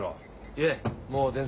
いえもう全然。